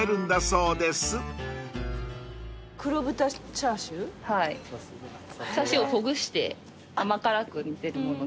チャーシューをほぐして甘辛く煮てるもの。